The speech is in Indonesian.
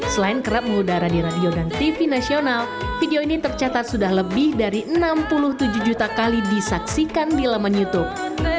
selain kerap mengudara di radio dan tv nasional video ini tercatat sudah lebih dari enam puluh tujuh juta kali disaksikan di laman youtube